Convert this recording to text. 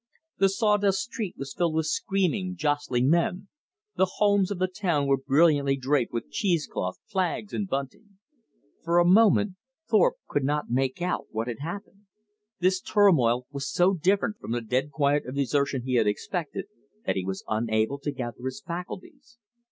The saw dust street was filled with screaming, jostling men. The homes of the town were brilliantly draped with cheesecloth, flags and bunting. For a moment Thorpe could not make out what had happened. This turmoil was so different from the dead quiet of desertion he had expected, that he was unable to gather his faculties.